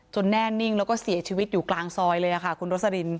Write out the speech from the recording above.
แน่นิ่งแล้วก็เสียชีวิตอยู่กลางซอยเลยค่ะคุณโรสลิน